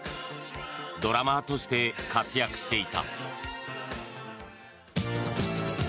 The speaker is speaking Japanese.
ドラマーとして活躍していた。